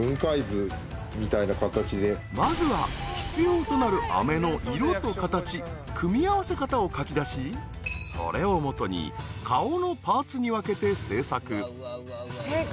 ［まずは必要となるあめの色と形組み合わせ方を描き出しそれを基に顔のパーツに分けて製作］